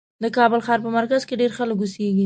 د کابل ښار په مرکز کې ډېر خلک اوسېږي.